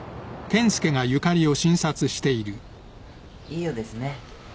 いいようですね。